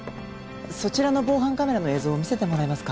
そちらの防犯カメラの映像見せてもらえますか？